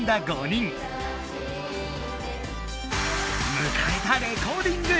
むかえたレコーディング！